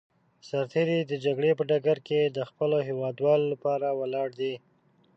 سرتېری د جګړې په ډګر کې د خپلو هېوادوالو لپاره ولاړ دی.